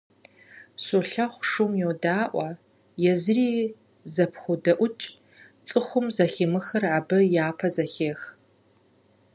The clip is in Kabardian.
Щолэхъур шум йодаӀуэ, езыри зэпходэӏукӏ; цӀыхум зэхимыхыр абы япэ зэхех.